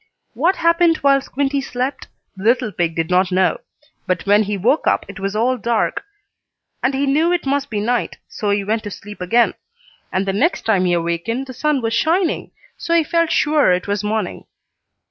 What happened while Squinty slept, the little pig did not know. But when he woke up it was all dark, and he knew it must be night, so he went to sleep again. And the next time he awakened the sun was shining, so he felt sure it was morning.